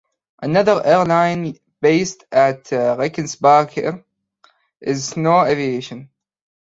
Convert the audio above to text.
Another airline based at Rickenbacker is Snow Aviation.